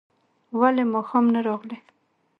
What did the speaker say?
ولي ماښام نه راغلې؟